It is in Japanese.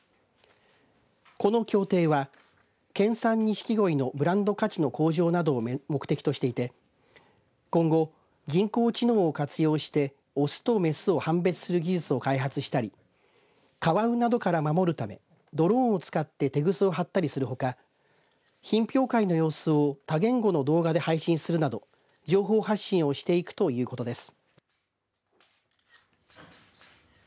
この協定は県産ニシキゴイのブランド価値の向上などを目的としていて今後人工知能を活用して雄と雌の判別する技術を開発したりカワウなどから守るためドローンを使っててぐすを張ったりするほか品評会の様子を多言語の動画で配信するなど情報発信をしていくということです。